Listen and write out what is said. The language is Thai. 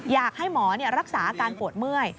อยากให้หมอรักษาอาการปวดเมื่อย